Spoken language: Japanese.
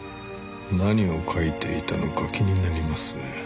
何を書いていたのか気になりますね。